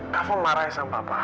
kava marah ya sama papa